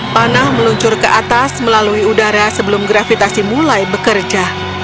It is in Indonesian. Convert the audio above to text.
panah meluncur ke atas melalui udara sebelum gravitasi mulai bekerja